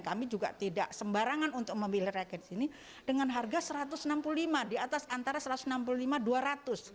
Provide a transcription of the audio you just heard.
kami juga tidak sembarangan untuk memilih rakyat di sini dengan harga rp satu ratus enam puluh lima di atas antara rp satu ratus enam puluh lima rp dua ratus